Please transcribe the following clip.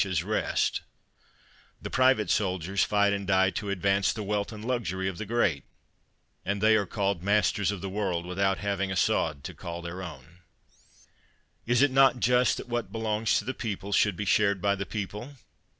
31 THE WORLD'S FAMOUS ORATIONS fight and die to advance the wealth and luxury of the great, and they are called masters of the world without having a sod to call their own. Is it not just that what belongs to the people should be shared by the people?